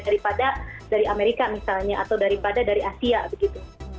daripada dari amerika misalnya atau daripada dari asia begitu